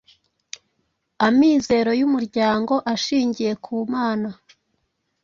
Amizero y’umuryango ashingiye ku Mana.